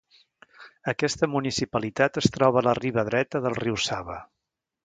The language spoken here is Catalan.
Aquesta municipalitat es troba a la riba dreta del riu Sava.